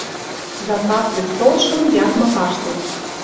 Запас гӹц толшын ядмы паштек.